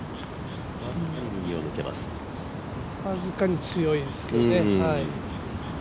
僅かに強いですけどね。